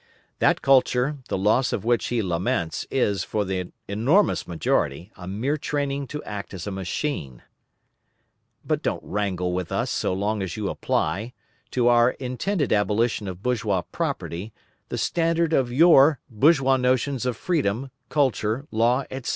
That culture, the loss of which he laments, is, for the enormous majority, a mere training to act as a machine. But don't wrangle with us so long as you apply, to our intended abolition of bourgeois property, the standard of your bourgeois notions of freedom, culture, law, etc.